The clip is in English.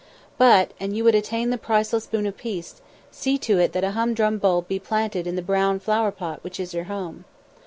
But, an' you would attain the priceless boon of peace, see to it that a humdrum bulb be planted in the brown flower pot which is your home.